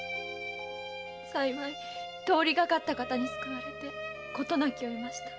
幸い通りかかった方に救われて事なきを得ました。